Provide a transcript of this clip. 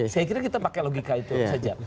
saya kira kita pakai logika itu saja